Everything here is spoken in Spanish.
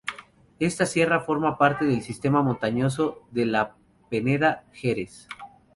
Esta sierra forma parte del sistema montañoso de la Peneda-Gerês.